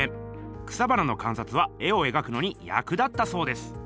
草花のかんさつは絵を描くのにやく立ったそうです。